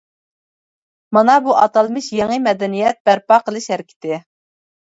مانا بۇ ئاتالمىش يېڭى مەدەنىيەت بەرپا قىلىش ھەرىكىتى.